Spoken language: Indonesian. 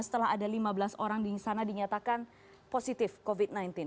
setelah ada lima belas orang di sana dinyatakan positif covid sembilan belas